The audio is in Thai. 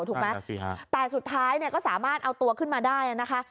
ถูกไหมนั่นสิฮะแต่สุดท้ายเนี่ยก็สามารถเอาตัวขึ้นมาได้นะคะ